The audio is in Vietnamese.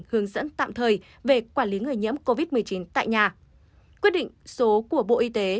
hướng dẫn tạm thời về quản lý người nhiễm covid một mươi chín tại nhà quyết định số của bộ y tế